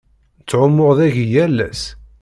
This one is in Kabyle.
Ttɛummuɣ dagi yal ass.